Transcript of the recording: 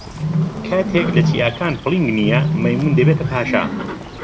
کاتێک لە چیاکان پڵنگ نییە، مەیموون دەبێتە پاشا.